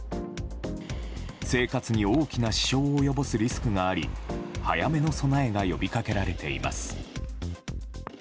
生活に大きな支障を及ぼすリスクがあり早めの備えが呼びかけられています。